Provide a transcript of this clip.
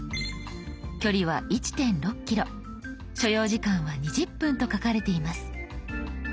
距離は１．６ｋｍ所要時間は２０分と書かれています。